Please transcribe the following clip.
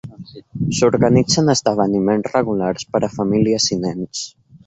S'organitzen esdeveniments regulars per a famílies i nens.